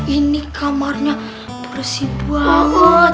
ini kamarnya bersih banget